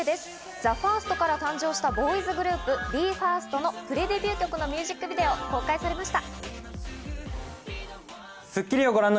ＴＨＥＦＩＲＳＴから誕生したボーイズグループ、ＢＥ：ＦＩＲＳＴのプレデビュー曲のミュージックビデオが公開されました。